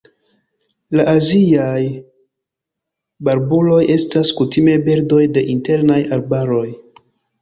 La aziaj barbuloj estas kutime birdoj de internaj arbaroj.